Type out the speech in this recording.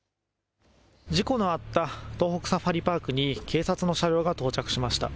事故のあった東北サファリパークに、警察の車両が到着しました。